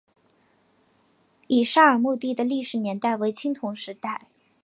乙沙尔墓地的历史年代为青铜时代。